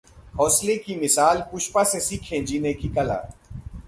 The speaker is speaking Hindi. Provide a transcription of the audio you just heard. हौसले की मिसाल पुष्पा से सीखें जीने की कला